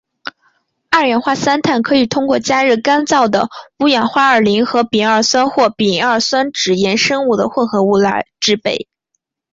二氧化三碳可以通过加热干燥的五氧化二磷和丙二酸或丙二酸酯衍生物的混合物来制备。